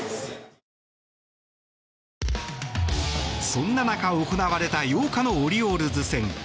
そんな中行われた８日のオリオールズ戦。